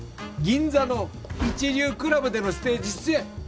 銀座の一流クラブでのステージ出演。